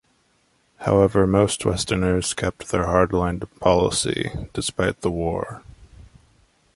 However, most Westerners kept their hard-line policy despite the war.